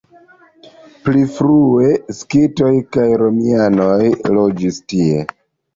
Pli frue skitoj kaj romianoj loĝis tie.